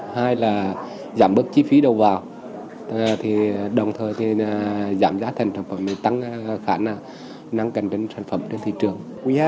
hai là giảm bớt chi phí đầu vào đồng thời giảm giá thành sản phẩm tăng khả năng cạnh sản phẩm đến thị trường